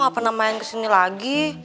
kau pernah main kesini lagi